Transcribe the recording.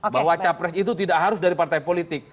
bahwa capres itu tidak harus dari partai politik